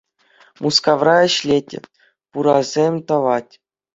Мускавра ӗҫлет, пурасем тӑвать.